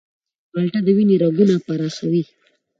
مالټه د وینې رګونه پراخوي.